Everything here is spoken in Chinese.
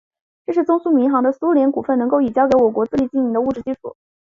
这是中苏民航的苏联股份能够已交给我国自力经营的物质基础。